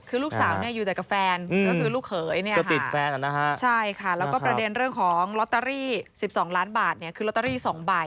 คือลูกสาวเนี่ยอยู่แต่กับแฟนก็คือลูกเขยเนี่ยนะฮะใช่ค่ะแล้วก็ประเด็นเรื่องของลอตเตอรี่๑๒ล้านบาทเนี่ยคือลอตเตอรี่๒ใบ